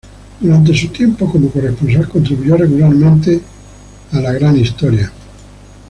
Durante su tiempo como corresponsal, contribuyó regularmente a "The Big Story".